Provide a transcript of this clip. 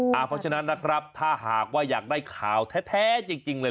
เพราะฉะนั้นนะครับถ้าหากว่าอยากได้ข่าวแท้จริงเลย